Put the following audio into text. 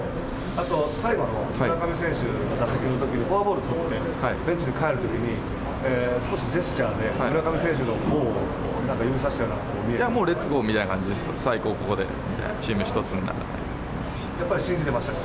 最後の村上選手の打席のとき、フォアボール取って、ベンチに帰るときに、少しジェスチャーで村上選手のほうをなんか指さしたよいや、レッツゴーみたいな、最後ここでみたいな、やっぱり信じてましたか？